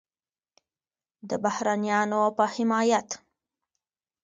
د بهرنیانو په حمایت